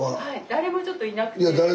誰もちょっといなくて。